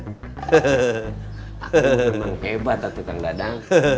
aku memang hebat tuh kang dadang